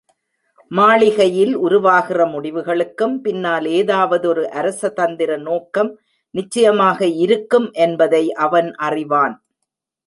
மாளிகையில் உருவாகிற முடிவுகளுக்கும், பின்னால் ஏதாவதொரு அரச தந்திர நோக்கம் நிச்சயமாக இருக்கும் என்பதை அவன் அறிவான்.